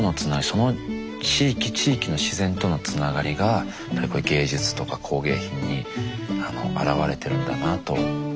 その地域地域の自然とのつながりが芸術とか工芸品に表れてるんだなと思いました。